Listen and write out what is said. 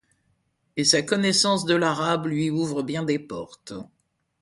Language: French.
Et sa connaissance de l’arabe lui ouvre bien des portes.